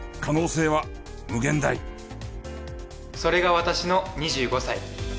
それが私の２５歳。